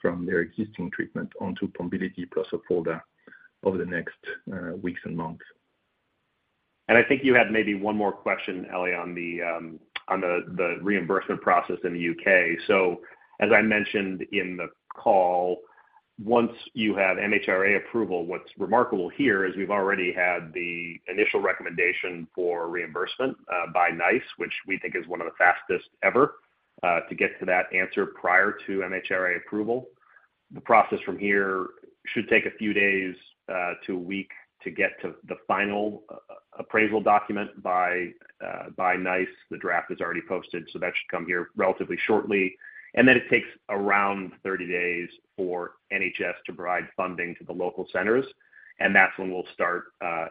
from their existing treatment onto Pombiliti plus Opfolda over the next weeks and months. I think you had maybe one more question, Ellie, on the, on the, the reimbursement process in the UK. As I mentioned in the call, once you have MHRA approval, what's remarkable here is we've already had the initial recommendation for reimbursement, by NICE, which we think is one of the fastest ever, to get to that answer prior to MHRA approval. The process from here should take a few days, to a week to get to the final, appraisal document by, by NICE. The draft is already posted, so that should come here relatively shortly. Then it takes around 30 days for NHS to provide funding to the local centers, and that's when we'll start,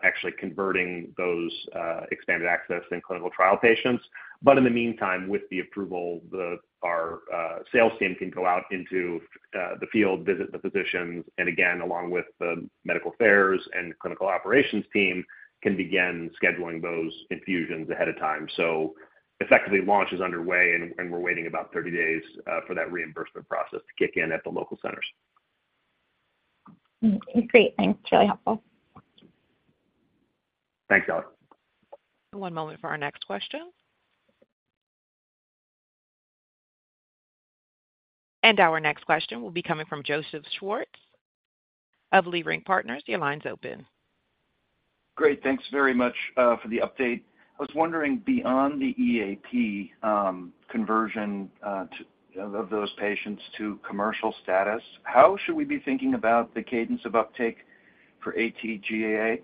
actually converting those, expanded access and clinical trial patients. In the meantime, with the approval, our sales team can go out into the field, visit the physicians, and again, along with the medical affairs and clinical operations team, can begin scheduling those infusions ahead of time. Effectively, launch is underway, and we're waiting about 30 days for that reimbursement process to kick in at the local centers. Great. Thanks, really helpful. Thanks, Ellie. One moment for our next question. Our next question will be coming from Joseph Schwartz of Leerink Partners. Your line is open. Great, thanks very much for the update. I was wondering, beyond the EAP conversion to, of, of those patients to commercial status, how should we be thinking about the cadence of uptake for AT-GAA?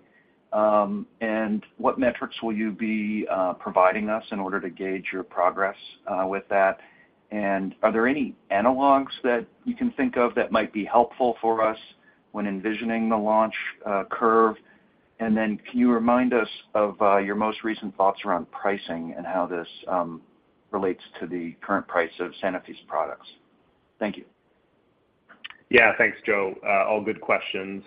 What metrics will you be providing us in order to gauge your progress with that? Are there any analogs that you can think of that might be helpful for us when envisioning the launch curve? Can you remind us of your most recent thoughts around pricing and how this relates to the current price of Sanofi's products? Thank you. Yeah, thanks, Joe. All good questions.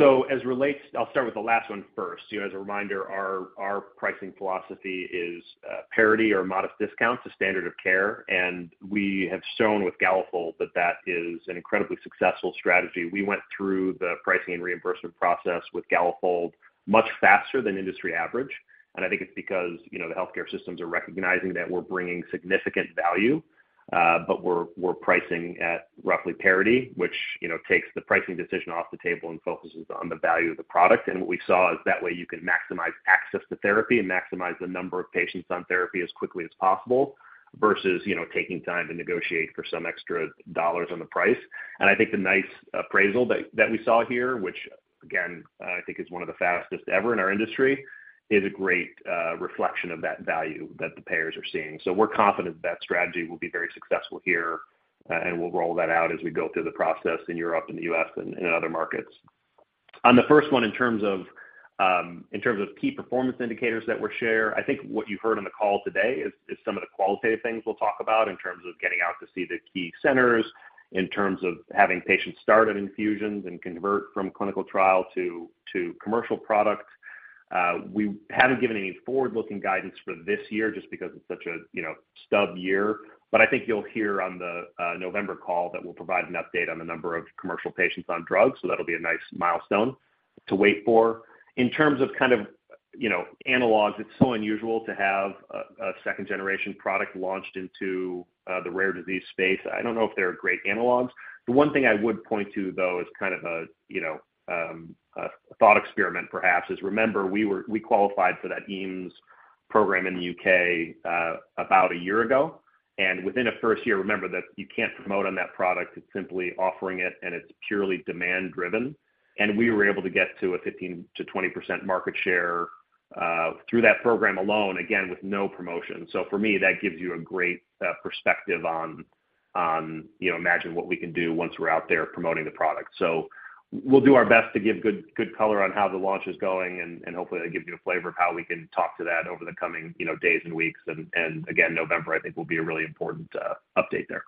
I'll start with the last one first. You know, as a reminder, our pricing philosophy is parity or modest discount to standard of care, and we have shown with Galafold that that is an incredibly successful strategy. We went through the pricing and reimbursement process with Galafold much faster than industry average, and I think it's because, you know, the healthcare systems are recognizing that we're bringing significant value, but we're pricing at roughly parity, which, you know, takes the pricing decision off the table and focuses on the value of the product. What we saw is that way you can maximize access to therapy and maximize the number of patients on therapy as quickly as possible, versus, you know, taking time to negotiate for some extra dollars on the price. I think the NICE appraisal that, that we saw here, which, again, I think is one of the fastest ever in our industry, is a great reflection of that value that the payers are seeing. We're confident that strategy will be very successful here, and we'll roll that out as we go through the process in Europe and the U.S. and, and other markets. On the first one, in terms of, in terms of key performance indicators that were shared, I think what you heard on the call today is, is some of the qualitative things we'll talk about in terms of getting out to see the key centers, in terms of having patients start on infusions and convert from clinical trial to, to commercial product. We haven't given any forward-looking guidance for this year just because it's such a, you know, stub year. But I think you'll hear on the November call that we'll provide an update on the number of commercial patients on drugs, so that'll be a NICE milestone to wait for. In terms of kind of, you know, analogs, it's so unusual to have a second-generation product launched into the rare disease space. I don't know if there are great analogs. The one thing I would point to, though, is kind of a, you know, a thought experiment perhaps, is remember, we qualified for that EAMS program in the UK about a year ago. And within the first year, remember that you can't promote on that product, it's simply offering it, and it's purely demand-driven. We were able to get to a 15%-20% market share through that program alone, again, with no promotion. For me, that gives you a great perspective on, on, you know, imagine what we can do once we're out there promoting the product. We'll do our best to give good, good color on how the launch is going, and, and hopefully, that gives you a flavor of how we can talk to that over the coming, you know, days and weeks. Again, November, I think, will be a really important update there.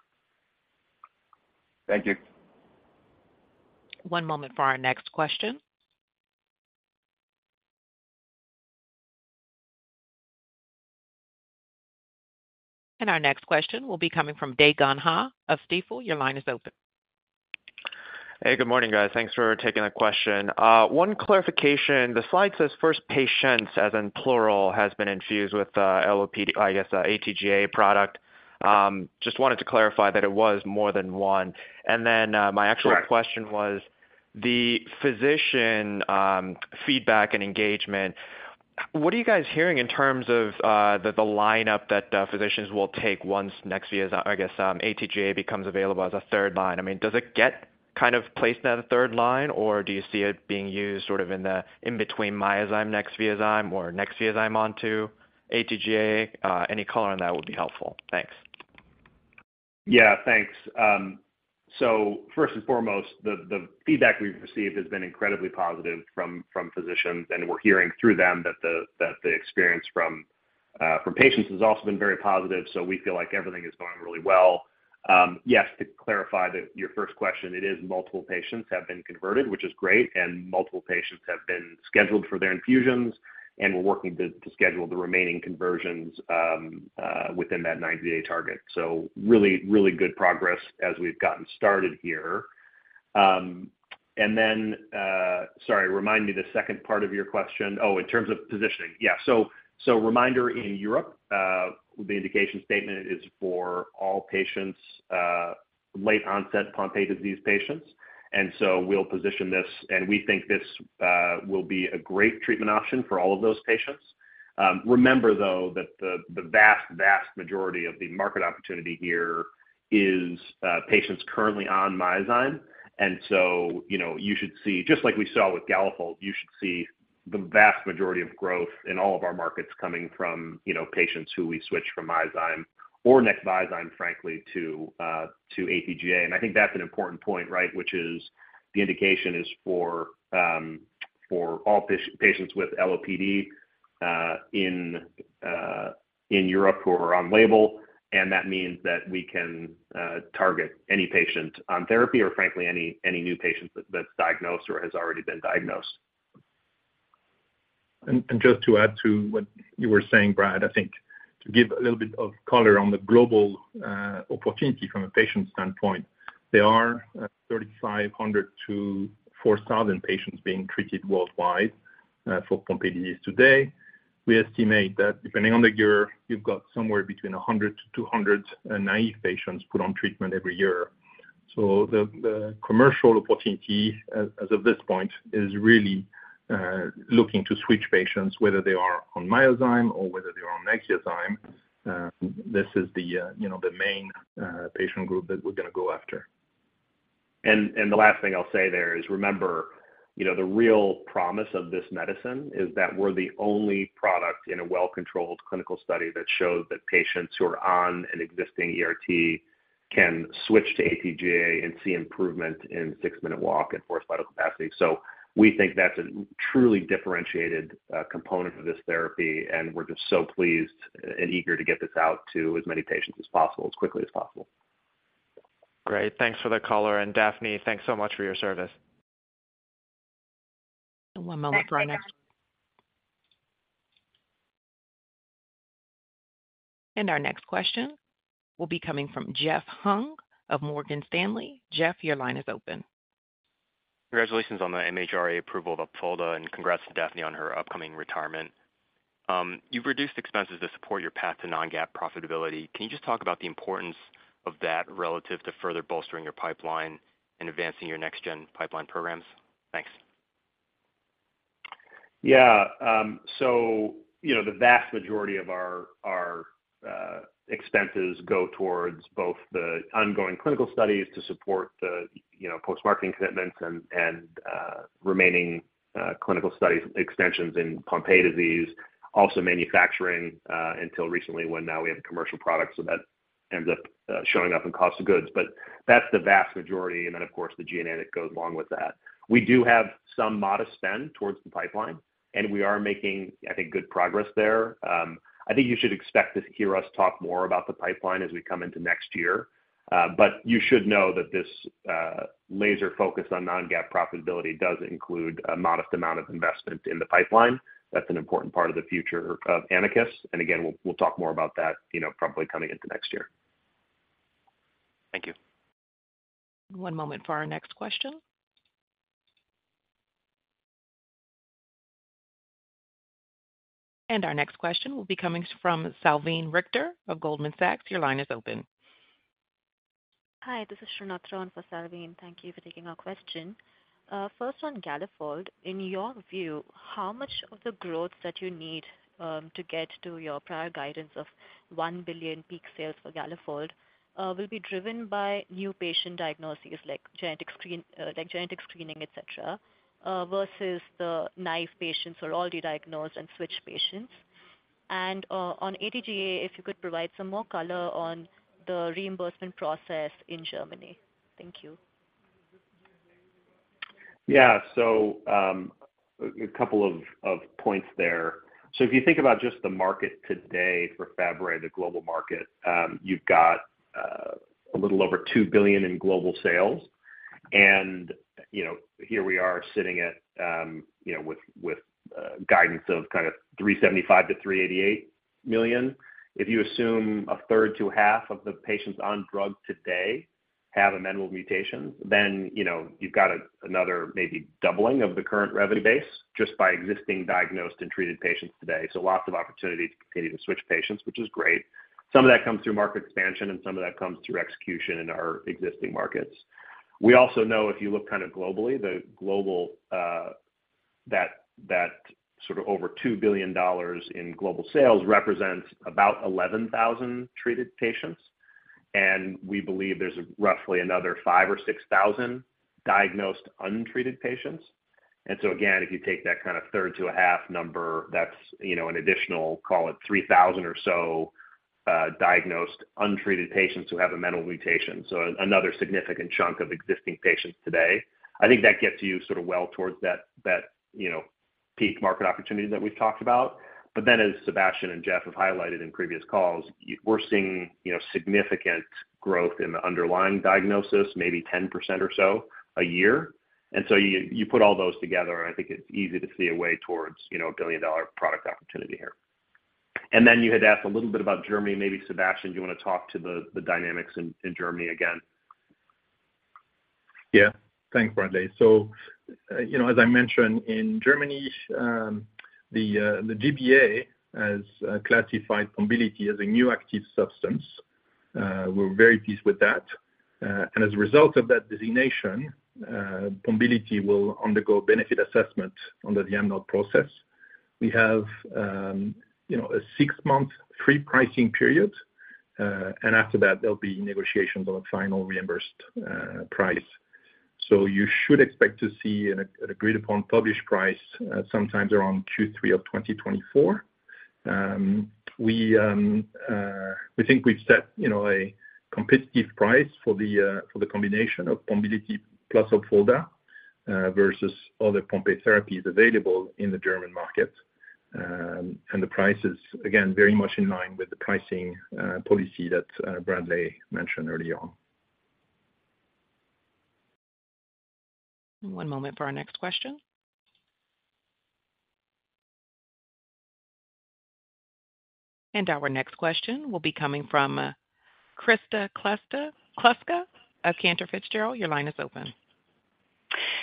Thank you. One moment for our next question. Our next question will be coming from Daegan Ha of Stifel. Your line is open. Hey, good morning, guys. Thanks for taking the question. One clarification: the slide says first patients, as in plural, has been infused with LOPD, I guess, AT-GAA product. Just wanted to clarify that it was more than one. Right. Then, my actual question was, the physician feedback and engagement, what are you guys hearing in terms of the lineup that physicians will take once Nexviazyme, I guess, AT-GAA becomes available as a third line? I mean, does it get kind of placed as a third line, or do you see it being used sort of in the in-between Myozyme, Nexviazyme, or Nexviazyme onto AT-GAA? Any color on that would be helpful. Thanks. Yeah, thanks. First and foremost, the, the feedback we've received has been incredibly positive from, from physicians, and we're hearing through them that the, that the experience from patients has also been very positive, so we feel like everything is going really well. Yes, to clarify that your first question, it is multiple patients have been converted, which is great, and multiple patients have been scheduled for their infusions, and we're working to, to schedule the remaining conversions within that 90-day target. Really, really good progress as we've gotten started here. Then, sorry, remind me the second part of your question. Oh, in terms of positioning. Yeah, so reminder, in Europe, the indication statement is for all patients, late-onset Pompe disease patients. We'll position this, and we think this will be a great treatment option for all of those patients. Remember, though, that the, the vast, vast majority of the market opportunity here is patients currently on Myozyme. You know, you should see, just like we saw with Galafold, you should see the vast majority of growth in all of our markets coming from, you know, patients who we switch from Myozyme or Nexviazyme, frankly, to AT-GAA. I think that's an important point, right? Which is the indication is for all patients with LOPD in Europe who are on label, and that means that we can target any patient on therapy or frankly, any, any new patients that, that's diagnosed or has already been diagnosed. Just to add to what you were saying, Brad, I think to give a little bit of color on the global opportunity from a patient standpoint, there are 3,500 to 4,000 patients being treated worldwide for Pompe disease today. We estimate that depending on the year, you've got somewhere between 100 to 200 naive patients put on treatment every year. The commercial opportunity as of this point, is really looking to switch patients, whether they are on Myozyme or whether they are on Nexviazyme. This is the, you know, the main patient group that we're gonna go after. The last thing I'll say there is, remember, you know, the real promise of this medicine is that we're the only product in a well-controlled clinical study that shows that patients who are on an existing ERT can switch to AT-GAA and see improvement in 6-minute walk and forced vital capacity. We think that's a truly differentiated component of this therapy, and we're just so pleased and eager to get this out to as many patients as possible, as quickly as possible. Great. Thanks for the color, and Daphne, thanks so much for your service. One moment for our next. Thanks, bye guys. Our next question will be coming from Jeff Hung of Morgan Stanley. Jeff, your line is open. Congratulations on the MHRA approval of Opfolda, and congrats to Daphne on her upcoming retirement. You've reduced expenses to support your path to non-GAAP profitability. Can you just talk about the importance of that relative to further bolstering your pipeline and advancing your next gen pipeline programs? Thanks. Yeah, you know, the vast majority of our, our expenses go towards both the ongoing clinical studies to support the, you know, post-marketing commitments and, and remaining clinical studies extensions in Pompe disease, also manufacturing until recently, when now we have a commercial product, that ends up showing up in cost of goods. That's the vast majority, and then, of course, the G&A that goes along with that. We do have some modest spend towards the pipeline, and we are making, I think, good progress there. I think you should expect to hear us talk more about the pipeline as we come into next year. You should know that this laser focus on non-GAAP profitability does include a modest amount of investment in the pipeline. That's an important part of the future of Amicus, again, we'll talk more about that, you know, probably coming into next year. Thank you. One moment for our next question. Our next question will be coming from Salveen Richter of Goldman Sachs. Your line is open. Hi, this is Srinathra on for Salveen. Thank you for taking our question. First on Galafold, in your view, how much of the growth that you need to get to your prior guidance of $1 billion peak sales for Galafold will be driven by new patient diagnoses, like genetic screen, like genetic screening, et cetera, versus the naive patients who are already diagnosed and switched patients? On AT-GAA, if you could provide some more color on the reimbursement process in Germany. Thank you. Yeah. A couple of points there. If you think about just the market today for Fabry, the global market, you've got a little over $2 billion in global sales. You know, here we are sitting at, you know, with guidance of kind of $375 million-$388 million. If you assume a third to half of the patients on drug today have a Mendelian mutation, you know, you've got another maybe doubling of the current revenue base just by existing diagnosed and treated patients today. Lots of opportunity to continue to switch patients, which is great. Some of that comes through market expansion, and some of that comes through execution in our existing markets. We also know if you look kind of globally, the global, that, that sort of over $2 billion in global sales represents about 11,000 treated patients, and we believe there's roughly another 5,000 or 6,000 diagnosed, untreated patients. So again, if you take that kind of third to a half number, that's, you know, an additional, call it, 3,000 or so, diagnosed, untreated patients who have a Mendelian mutation. Another significant chunk of existing patients today. I think that gets you sort of well towards that, that, you know, peak market opportunity that we've talked about. Then, as Sébastien and Jeff have highlighted in previous calls, we're seeing, you know, significant growth in the underlying diagnosis, maybe 10% or so a year. You put all those together, and I think it's easy to see a way towards, you know, a billion-dollar product opportunity here. Then you had asked a little bit about Germany. Maybe, Sébastien, do you want to talk to the, the dynamics in, in Germany again? Thanks, Bradley. You know, as I mentioned, in Germany, the GBA has classified Pombiliti as a new active substance. We're very pleased with that. And as a result of that designation, Pombiliti will undergo benefit assessment under the AMNOG process. We have, you know, a six month free pricing period, and after that, there'll be negotiations on a final reimbursed price. You should expect to see an, an agreed-upon published price, sometimes around Q3 of 2024. We, we think we've set, you know, a competitive price for the combination of Pombiliti plus Opfolda versus other Pompe therapies available in the German market. And the price is, again, very much in line with the pricing policy that Bradley mentioned early on. One moment for our next question. Our next question will be coming from Kristen Kluska of Cantor Fitzgerald. Your line is open.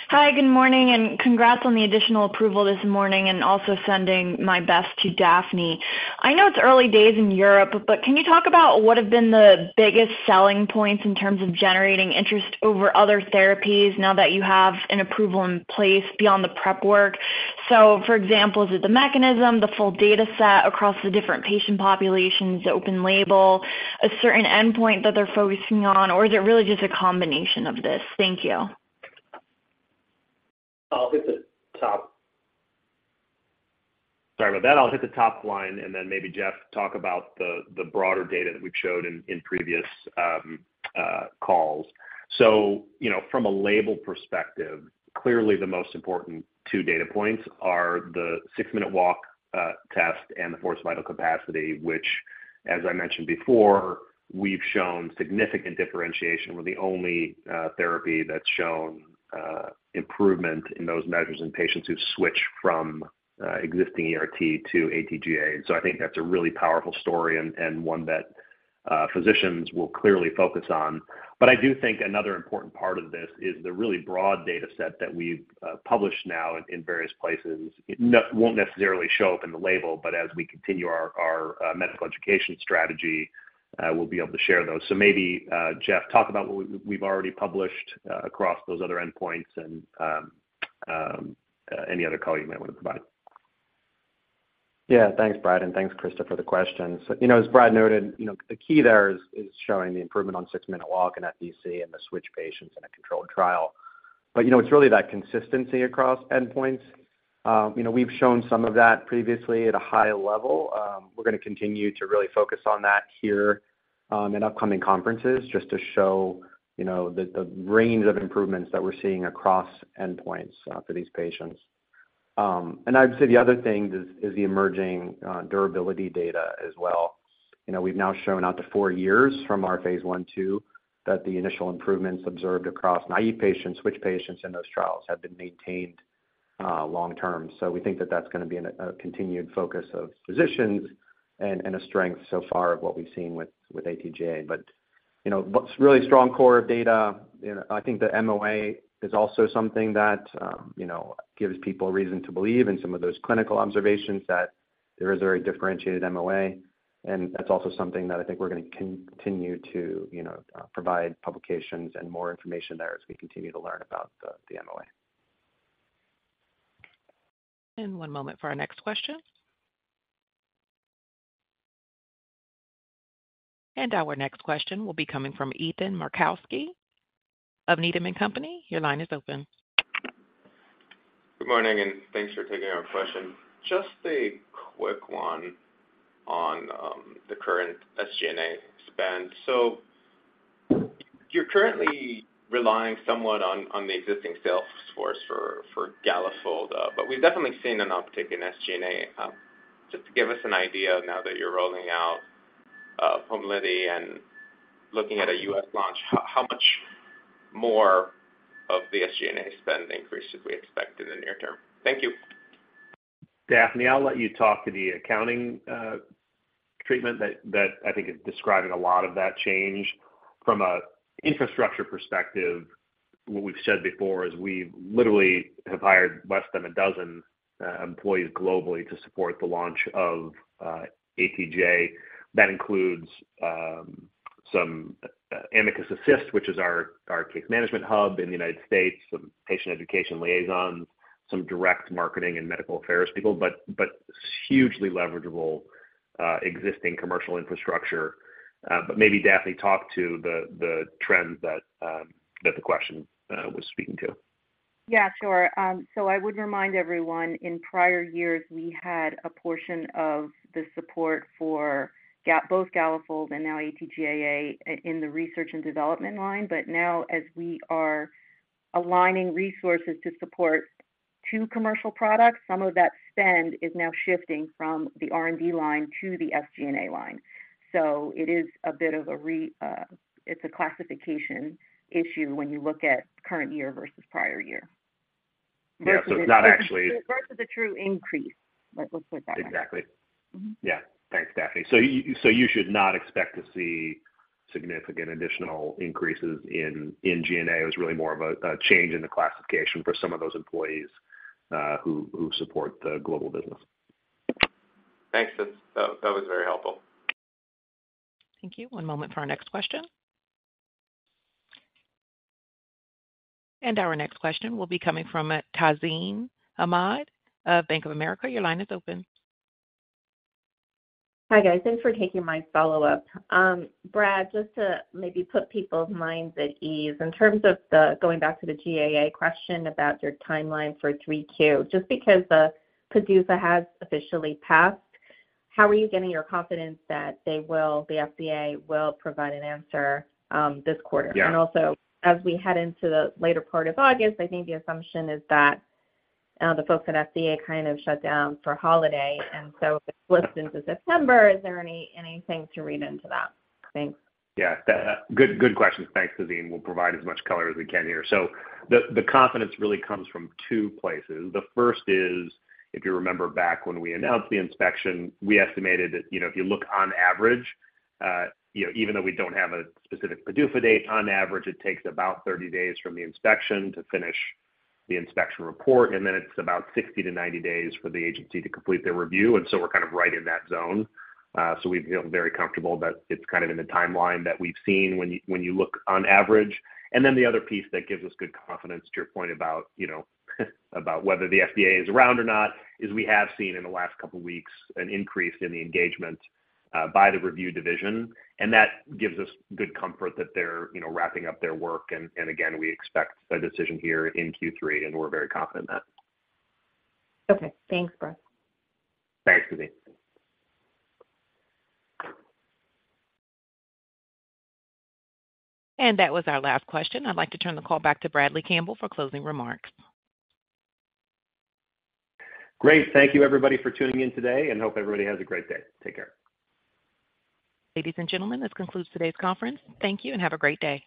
Hi, good morning, and congrats on the additional approval this morning, and also sending my best to Daphne. I know it's early days in Europe, can you talk about what have been the biggest selling points in terms of generating interest over other therapies now that you have an approval in place beyond the prep work? For example, is it the mechanism, the full data set across the different patient populations, open label, a certain endpoint that they're focusing on, or is it really just a combination of this? Thank you. I'll hit the top. Sorry about that. I'll hit the top line, then maybe Jeff talk about the, the broader data that we've showed in, in previous calls. You know, from a label perspective, clearly the most important two data points are the six minute walk test and the forced vital capacity, which, as I mentioned before, we've shown significant differentiation. We're the only therapy that's shown improvement in those measures in patients who've switched from existing ERT to AT-GAA. I think that's a really powerful story and, and one that physicians will clearly focus on. I do think another important part of this is the really broad data set that we've published now in various places. It won't necessarily show up in the label, but as we continue our medical education strategy, we'll be able to share those. Maybe, Jeff Castelli, talk about what we've already published across those other endpoints and any other color you might want to provide. Yeah. Thanks, Brad, and thanks, Kristen, for the question. You know, as Brad noted, you know, the key there is, is showing the improvement on 6-minute walk and FVC in the switch patients in a controlled trial. You know, it's really that consistency across endpoints. You know, we've shown some of that previously at a high level. We're gonna continue to really focus on that here, in upcoming conferences, just to show, you know, the, the range of improvements that we're seeing across endpoints, for these patients. And I'd say the other thing is, is the emerging durability data as well. You know, we've now shown out to 4 years from our phase I/II, that the initial improvements observed across naive patients, switch patients in those trials have been maintained, long term. We think that that's gonna be an, a continued focus of physicians and, and a strength so far of what we've seen with, with AT-GAA. You know, what's really strong core of data, you know, I think the MOA is also something that, you know, gives people reason to believe in some of those clinical observations, that there is a very differentiated MOA, and that's also something that I think we're gonna continue to, you know, provide publications and more information there as we continue to learn about the, the MOA. One moment for our next question. Our next question will be coming from Ethan Markowski of Needham & Company. Your line is open. Good morning, and thanks for taking our question. Just a quick one on the current SG&A spend. You're currently relying somewhat on, on the existing sales force for, for Galafold, but we've definitely seen an uptick in SG&A. Just to give us an idea, now that you're rolling out, Pombiliti and looking at a U.S. launch, how, how much more of the SG&A spend increase should we expect in the near term? Thank you. Daphne, I'll let you talk to the accounting treatment that, that I think is describing a lot of that change. From a infrastructure perspective, what we've said before is we've literally have hired less than a dozen employees globally to support the launch of AT-GAA. That includes some Amicus Assist, which is our, our case management hub in the United States, some patient education liaisons, some direct marketing and medical affairs people, but, but hugely leveragable existing commercial infrastructure. Maybe, Daphne, talk to the, the trends that the question was speaking to. Yeah, sure. I would remind everyone, in prior years, we had a portion of the support for both Galafold and now AT-GAA in the research and development line. Now, as we are aligning resources to support two commercial products, some of that spend is now shifting from the R&D line to the SG&A line. It is a bit of a classification issue when you look at current year versus prior year.... Yeah, it's not actually- Versus a true increase, let's put it that way. Exactly. Mm-hmm. Yeah. Thanks, Daphne. You should not expect to see significant additional increases in G&A. It was really more of a change in the classification for some of those employees who support the global business. Thanks, that, that was very helpful. Thank you. One moment for our next question. Our next question will be coming from, Tazeen Ahmad of Bank of America. Your line is open. Hi, guys. Thanks for taking my follow-up. Brad, just to maybe put people's minds at ease, in terms of going back to the GAA question about your timeline for 3Q, just because the PDUFA has officially passed, how are you getting your confidence that they will, the FDA will provide an answer this quarter? Yeah. Also, as we head into the later part of August, I think the assumption is that the folks at FDA kind of shut down for holiday, and so it slips into September. Is there any- anything to read into that? Thanks. Yeah, good, good questions. Thanks, Tazeen. We'll provide as much color as we can here. The confidence really comes from two places. The first is, if you remember back when we announced the inspection, we estimated that, you know, if you look on average, you know, even though we don't have a specific PDUFA date, on average, it takes about 30 days from the inspection to finish the inspection report, then it's about 60-90 days for the agency to complete their review, we're kind of right in that zone. We feel very comfortable that it's kind of in the timeline that we've seen when you, when you look on average. Then the other piece that gives us good confidence, to your point about, you know, about whether the FDA is around or not, is we have seen in the last couple of weeks an increase in the engagement by the review division, and that gives us good comfort that they're, you know, wrapping up their work. Again, we expect a decision here in Q3, and we're very confident in that. Okay, thanks, Brad. Thanks, Tazeen. That was our last question. I'd like to turn the call back to Bradley Campbell for closing remarks. Great. Thank you, everybody, for tuning in today and hope everybody has a great day. Take care. Ladies and gentlemen, this concludes today's conference. Thank you, and have a great day.